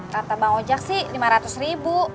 rata bang ojak sih lima ratus ribu